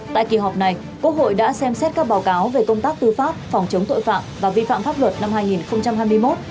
tại kỳ họp này quốc hội đã xem xét các báo cáo về công tác tư pháp phòng chống tội phạm và vi phạm pháp luật năm hai nghìn hai mươi một